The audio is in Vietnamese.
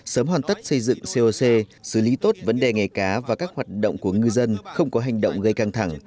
sớm hoàn tất xây dựng coc xử lý tốt vấn đề nghề cá và các hoạt động của ngư dân không có hành động gây căng thẳng